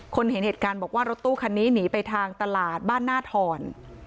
เห็นเหตุการณ์บอกว่ารถตู้คันนี้หนีไปทางตลาดบ้านหน้าทร